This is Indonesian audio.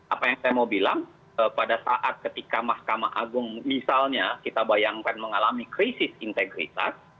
apa yang saya mau bilang pada saat ketika mahkamah agung misalnya kita bayangkan mengalami krisis integritas